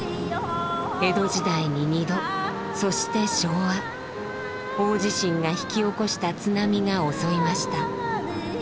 江戸時代に２度そして昭和大地震が引き起こした津波が襲いました。